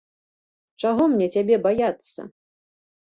Чаго мне цябе баяцца?